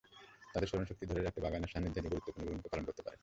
তাঁদের স্মরণশক্তি ধরে রাখতে বাগানের সান্নিধ্য গুরুত্বপূর্ণ ভূমিকা পালন করতে পারে।